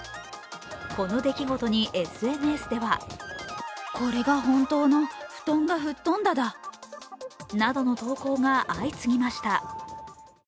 この出来事にＳＮＳではなどの投稿が相次ぎました。